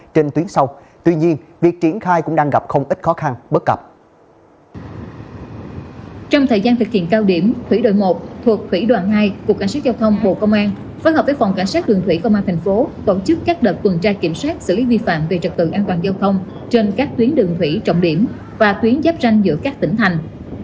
trong thời gian thực hiện cao điểm thủy đội một thuộc thủy đoạn hai cục cảnh sát giao thông bộ công an phối hợp với phòng cảnh sát đường thủy công an tp tổ chức các đợt quần tra kiểm soát xử lý vi phạm về trật tự an toàn giao thông trên các tuyến đường thủy trọng điểm và tuyến giáp ranh giữa các tỉnh thành